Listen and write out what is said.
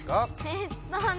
えっとね。